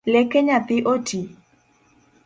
Leke nyathi oti?